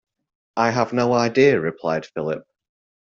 I have no idea, replied Philip.